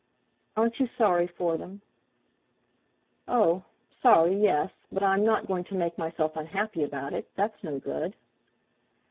"Aren't you sorry for them?" "Oh! sorry—yes, but I'm not going to make myself unhappy about it; that's no good."